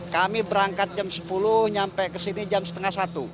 dari jam berapa dari saat